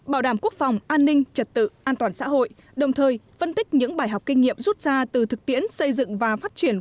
bảo đảm quốc phòng an ninh trật tự an toàn xã hội đồng thời phân tích những bài học kinh nghiệm rút ra từ thực tiễn xây dựng và phát triển